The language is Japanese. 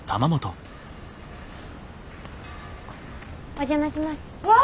お邪魔します。わ！